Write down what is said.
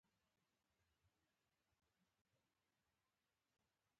عربي لښکرو یې په شپږ سوه درې اتیا کال ونیو.